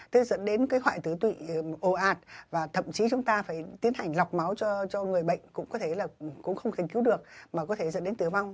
thế dẫn đến cái hoại tử tụy ồ ạt và thậm chí chúng ta phải tiến hành lọc máu cho người bệnh cũng có thể là cũng không thành cứu được mà có thể dẫn đến tử vong